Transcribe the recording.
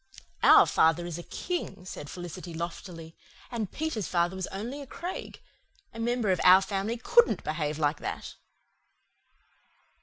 "Our father is a King," said Felicity loftily, "and Peter's father was only a Craig. A member of our family COULDN'T behave like that."